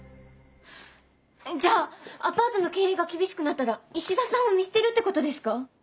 じゃあアパートの経営が厳しくなったら石田さんを見捨てるってことですか？